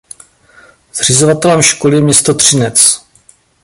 Zřizovatelem školy je město Třinec.